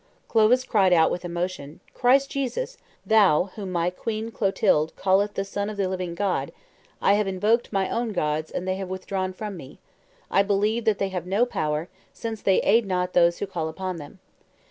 Clovis cried out with emotion, "Christ Jesus, Thou whom my queen Clotilde calleth the Son of the living God; I have invoked my own gods, and they have withdrawn from me; I believe that they have no power, since they aid not those who call upon them.